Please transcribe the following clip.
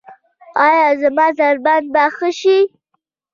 ایا زما ضربان به ښه شي؟